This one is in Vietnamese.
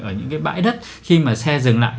ở những cái bãi đất khi mà xe dừng lại